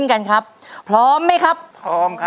ใช่นักร้องบ้านนอก